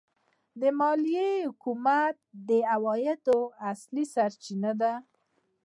مالیه د حکومت د عوایدو اصلي سرچینه ده.